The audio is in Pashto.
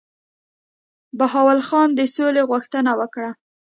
بهاول خان د سولي غوښتنه وکړه.